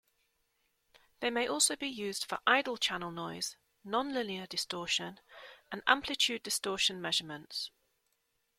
They may also be used for idle channel noise, nonlinear distortion, and amplitude-distortion measurements.